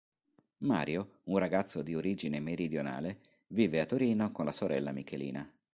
Mario, un ragazzo di origine meridionale, vive a Torino con la sorella Michelina.